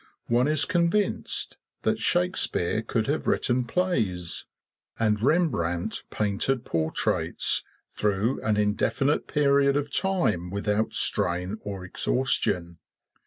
One is convinced that Shakespeare could have written plays and Rembrandt painted portraits through an indefinite period of time without strain or exhaustion.